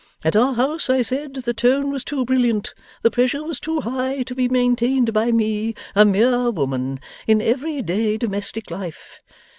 At our house, I said, the tone was too brilliant, the pressure was too high, to be maintained by me, a mere woman, in every day domestic life.